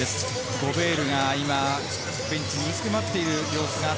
ゴベールが今、ベンチにうずくまっている様子です。